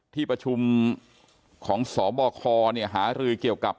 ที่ประชุมของสบคหารือเกี่ยวกับ